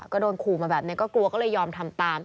ก็โดนขู่มาแบบนี้ก็กลัวก็เลยยอมทำตาม